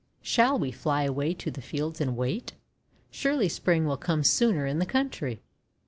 Shall we fly away to the fields and wait? Surely Spring will come sooner in the country."